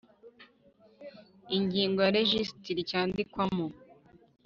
Ingingo ya rejisitiri cyandikwamo